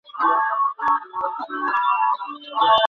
তবে আমি জানি না এই ধরণের পদক্ষেপ নেওয়াটাকে ডিপার্টমেন্ট কীভাবে নেবে।